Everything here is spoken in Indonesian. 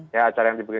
ya acara yang dibikin